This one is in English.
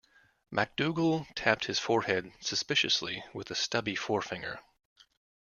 MacDougall tapped his forehead suspiciously with a stubby forefinger.